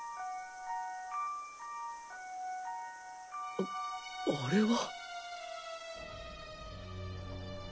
あっあれは。